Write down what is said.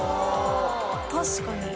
確かに」